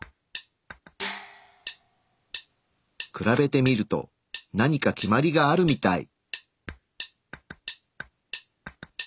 比べてみると何か決まりがあるみたい。